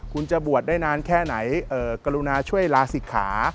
คุณจะบวชได้นานแค่ไหนกรุณาช่วยลาศิกขา